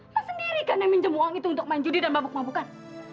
mas sendiri kan yang minjem uang itu untuk main judi dan mabuk mabukan